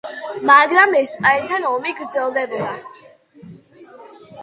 მაგრამ ესპანეთთან ომი გრძელდებოდა.